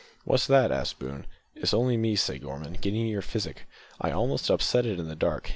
"What's that?" asked Boone. "It's only me," said Gorman, "getting you your physic. I almost upset it in the dark.